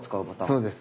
そうです。